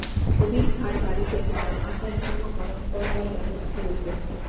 হবির খাঁর বাড়িতে তার আচার ধর্ম পালন করবার ব্যবস্থা রইল।